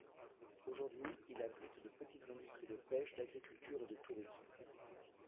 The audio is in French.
Aujourd'hui il abrite de petites industries de pêche, d'agriculture et de tourisme.